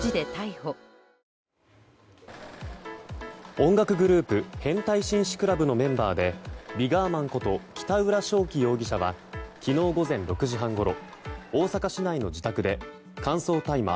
音楽グループ変態紳士クラブのメンバーでＶＩＧＯＲＭＡＮこと北浦翔暉容疑者は昨日午前６時半ごろ大阪市内の自宅で乾燥大麻